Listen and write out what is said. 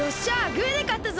グーでかったぞ！